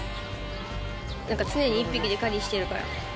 なんか常に１匹で狩りしてるから。